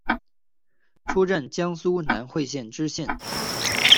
出任江苏南汇县知县。